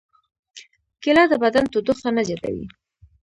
کېله د بدن تودوخه نه زیاتوي.